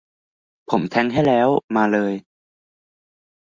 ผมแทงค์ให้แล้ว มาเลย